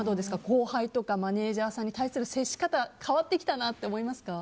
後輩やマネジャーさんに対する接し方変わってきたなと思いますか？